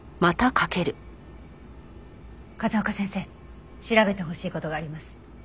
風丘先生調べてほしい事があります。